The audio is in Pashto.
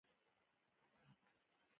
د یوې پېښې ښودنه